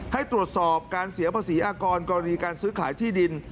ให้ตรวจสอบการเสียภาษีอากรกรณีการซื้อขายที่ดิน